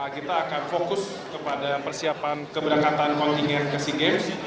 kita akan fokus kepada persiapan keberangkatan kontingensi games